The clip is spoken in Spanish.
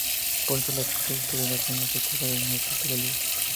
Pronto, la chica descubrirá que no se trata de un asalto al uso